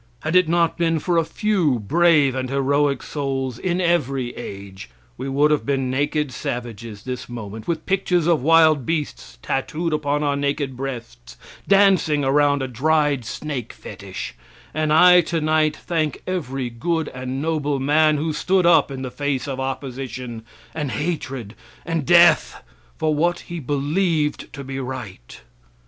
Had it not been for a few brave and heroic souls in every age, we would have been naked savages this moment, with pictures of wild beasts tattooed upon our naked breasts, dancing around a dried snake fetish; and I tonight thank every good and noble man who stood up in the face of opposition, and hatred, and death for what he believed to be right.